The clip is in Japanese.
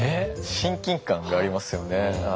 親近感がありますよね。